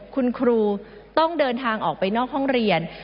คุณครูต้องเดินทางออกไปนอกห้องเรียน